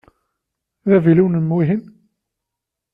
D avilu-inem wihin?